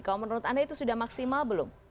kalau menurut anda itu sudah maksimal belum